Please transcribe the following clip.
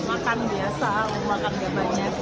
makan biasa makan gak banyak